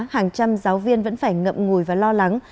hàng trăm giáo viên vẫn phải ngậm ngùi và lo lắng